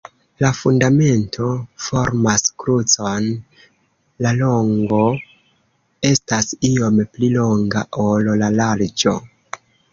La fundamento formas krucon, la longo estas iom pli longa, ol la larĝo.